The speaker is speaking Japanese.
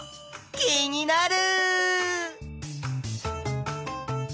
気になる。